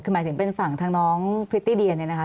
คือหมายถึงเป็นฝั่งทางน้องพริตตี้เดียเนี่ยนะคะ